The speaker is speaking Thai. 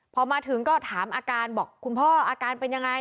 พอมาถึงก็ถามอาการบอกคุณพ่ออาการเป็นยังไง